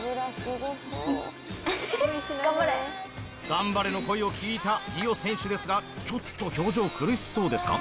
「がんばれ！」の声を聞いたりお選手ですがちょっと表情苦しそうですが。